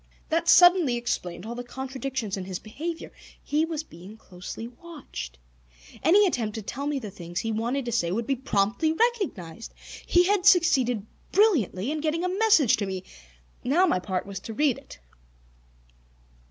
That suddenly explained all the contradictions in his behavior. He was being closely watched. Any attempt to tell me the things he wanted to say would be promptly recognized. He had succeeded brilliantly in getting a message to me. Now, my part was to read it!